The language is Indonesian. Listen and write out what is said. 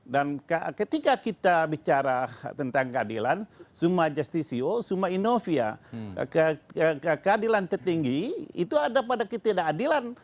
dan ketika kita bicara tentang keadilan summa justitio summa inovia keadilan tertinggi itu ada pada ketidakadilan